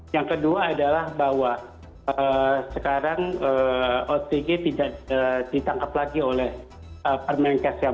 yang kedua adalah bahwa sekarang otg tidak ditangkap lagi oleh permenkes yang